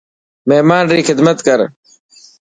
مهمان ري خدمت ڪر.